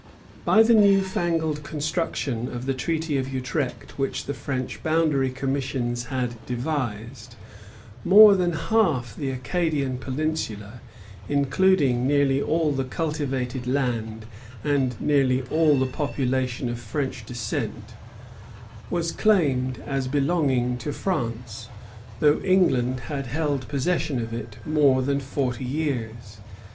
By the new fangled construction of the treaty of Utrecht which the French boundary commissioners had devised, more than half the Acadian peninsula, including nearly all the cultivated land and nearly all the population of French descent, was claimed as belonging to France, though England had held possession of it more than forty years.